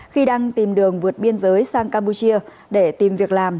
khi đang tìm đường vượt biên giới sang campuchia để tìm việc làm